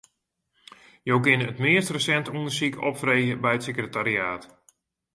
Jo kinne it meast resinte ûndersyk opfreegje by it sekretariaat.